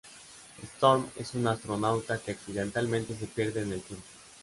Storm es un astronauta que accidentalmente se pierde en el tiempo.